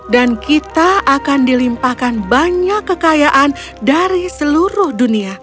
dan kita akan dilimpahkan banyak kekayaan dari seluruh dunia